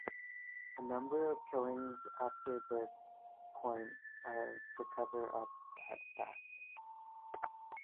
A number of the killings after this point are to cover up that fact.